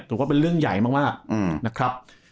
ถือว่าเป็นเรื่องใหญ่มากนะครับ